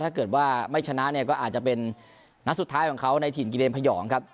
ถ้าเกิดว่าไม่ชนะเนี่ยก็อาจจะเป็นนัดสุดท้ายของเขาในถิ่นกิเรนพยองครับ